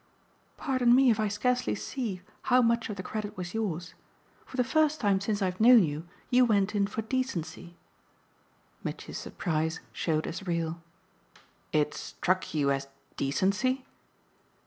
"Pardon me if I scarcely see how much of the credit was yours. For the first time since I've known you, you went in for decency." Mitchy's surprise showed as real. "It struck you as decency